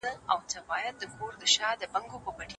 نفسي خواهشات نه کېږي.